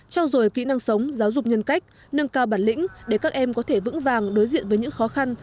trao dồi kỹ năng sống giáo dục nhân cách nâng cao bản lĩnh để các em có thể vững vàng đối diện với những khó khăn